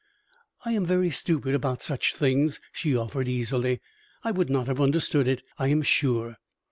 "I am very stupid about such things," she offered, easily. "I would not have understood it, I am sure."